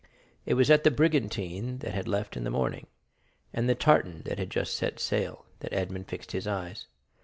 It was at the brigantine that had left in the morning, and the tartan that had just set sail, that Edmond fixed his eyes.